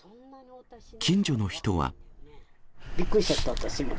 びっくりしちゃった、私も。